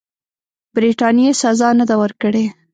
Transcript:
برټانیې سزا نه ده ورکړې.